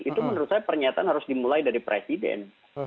itu menurut saya pernyataan harus dimulai dari presiden